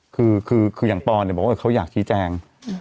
คืออย่างปอนบอกว่าเขาอยากชี้แจง